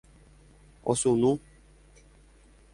Osunu